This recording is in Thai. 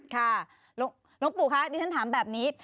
ค่ะหลวงปู่คะดิฉันถามแบบนี้